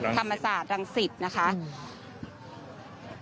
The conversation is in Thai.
ธรรมศาสตร์รังสิทธิ์นะคะค่ะธรรมศาสตร์รังสิทธิ์